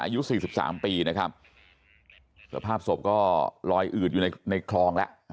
อายุ๔๓ปีนะครับสภาพศพก็ลอยอืดอยู่ในคลองแล้ว